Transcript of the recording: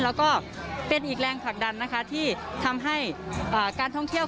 แล้วก็เป็นอีกแรงผลักดันนะคะที่ทำให้การท่องเที่ยว